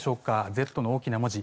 「Ｚ」の大きな文字。